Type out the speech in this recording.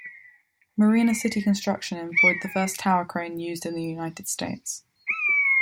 Marina City construction employed the first tower crane used in the United States.